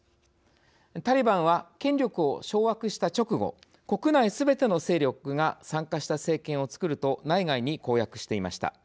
タリバンは権力を掌握した直後国内すべての勢力が参加した政権をつくると内外に公約していました。